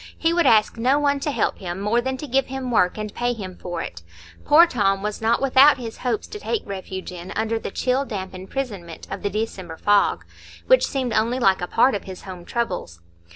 He would ask no one to help him, more than to give him work and pay him for it. Poor Tom was not without his hopes to take refuge in under the chill damp imprisonment of the December fog, which seemed only like a part of his home troubles.